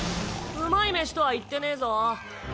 うまい飯とは言ってねぇぞ。